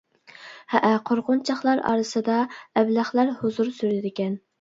ھەئە، قورقۇنچاقلار ئارىسىدا ئەبلەخلەر ھۇزۇر سۈرىدىكەن!